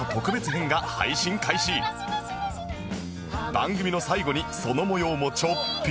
番組の最後にその模様もちょっぴりお見せします